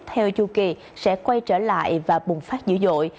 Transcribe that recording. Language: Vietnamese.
theo chu kỳ sẽ quay trở lại và bùng phát dữ dội